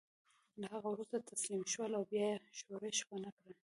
له هغه وروسته تسلیم شول او بیا یې ښورښ ونه کړ.